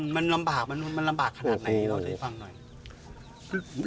มันลำบากมันลำบากขนาดไหนเล่าให้ฟังหน่อย